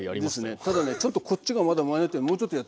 ただねちょっとこっちがまだもうちょっとやってもらって。